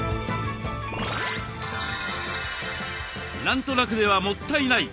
「何となく」ではもったいない！